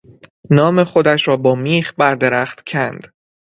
نام خودش را با میخ بر درخت کند.